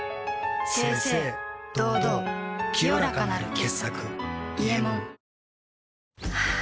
清々堂々清らかなる傑作「伊右衛門」ハァ。